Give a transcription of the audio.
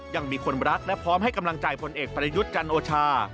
ยังมีคนรักและพร้อมให้กำลังใจพลเอกประยุทธ์จันโอชา